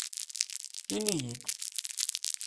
Iniyi-d!